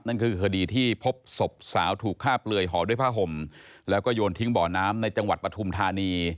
นั่นคือคดีที่พบศพสาวถูกฆ่าเปลือยห่อด้วยผ้าห่มแล้วก็โยนทิ้งบ่อน้ำในจังหวัดปฐุมธานี